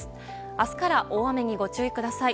明日から大雨にご注意ください。